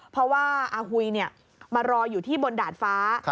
เพราะว่าอาหุยมารออยู่ที่บนดาดฟ้า